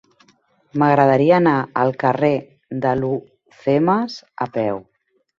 M'agradaria anar al carrer d'Alhucemas a peu.